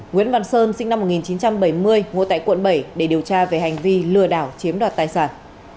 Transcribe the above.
nguyễn văn sơn sinh năm một nghìn chín trăm bảy mươi ngụ tại quận bảy để điều tra về hành vi lừa đảo chiếm đoạt tài sản